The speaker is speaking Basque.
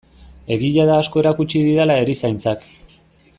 Egia da asko erakutsi didala erizaintzak.